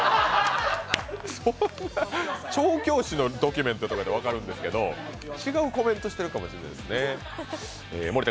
調教師のドキュメントなら分かるんですけど、違うコメントしてるかもしれないですね。